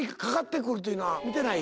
見てない？